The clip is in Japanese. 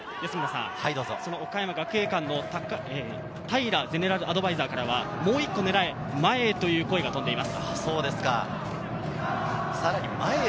岡山学芸館の平ゼネラルアドバイザーから、「もう一個狙え！」、「前へ！」という声が飛んでいます。